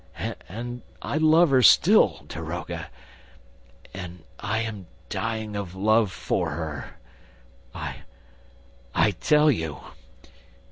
... And I love her still ... daroga ... and I am dying of love for her, I ... I tell you!